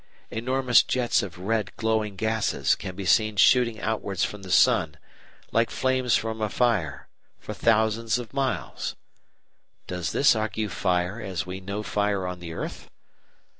Enormous jets of red glowing gases can be seen shooting outwards from the sun, like flames from a fire, for thousands of miles. Does this argue fire, as we know fire on the earth?